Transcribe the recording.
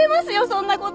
そんな事！